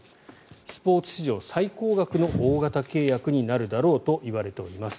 スポーツ史上最高額の大型契約になるだろうといわれております。